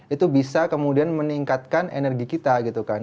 itu bisa kemudian meningkatkan energi kita gitu kan